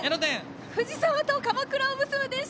藤沢と鎌倉を結ぶ電車